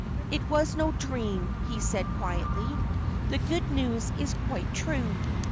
"It was no dream," he said, quietly. "The good news is quite true. Mr.